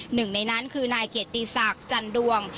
หนึ่งในนั้นคือนายเกียรติศักดิ์จันดวง